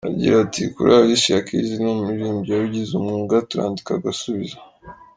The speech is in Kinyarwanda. Agira ati “Kuri Alicia Keys, ni umuririmbyi wabigize umwuga, turandika agasubiza.